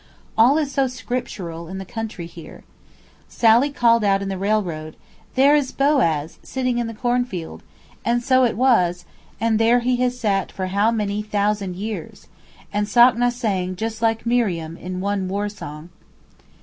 All is so Scriptural in the country here. Sally called out in the railroad, 'There is Boaz, sitting in the cornfield'; and so it was, and there he has sat for how many thousand years,—and Sakna sang just like Miriam in one war song.